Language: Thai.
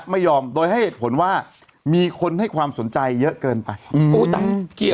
ไม่ยอมโดยให้เหตุผลว่ามีคนให้ความสนใจเยอะเกินไป